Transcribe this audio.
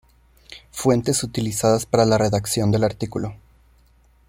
Fuentes utilizadas para la redacción del artículo